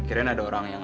kira kira ada orang ya